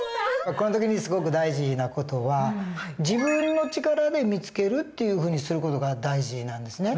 この時にすごく大事な事は自分の力で見つけるというふうにする事が大事なんですね。